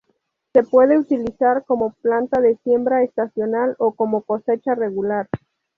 Se puede utilizar como planta de siembra estacional o como cosecha regular.